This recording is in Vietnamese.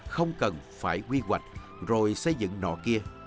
không cần phải quy hoạch rồi xây dựng nọ kia